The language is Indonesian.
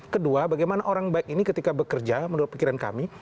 kedua bagaimana orang baik ini ketika bekerja menurut pikiran kami